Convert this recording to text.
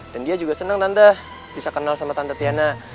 dan dia juga senang tante bisa kenal sama tante tiana